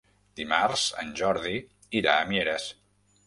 Dimarts en Jordi irà a Mieres.